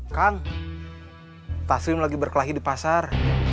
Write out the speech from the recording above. kang taslim lagi berkelahi di pasar